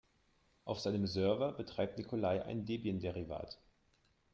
Auf seinem Server betreibt Nikolai ein Debian-Derivat.